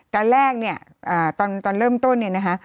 ตอนแรกเนี่ยตอนเริ่มต้นเนี่ยนะคะ